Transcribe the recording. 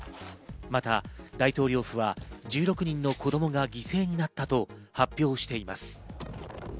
また、大統領府は１６人の子供が犠牲になったと発表しています。